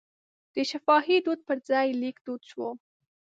د شفاهي دود پر ځای لیک دود شو.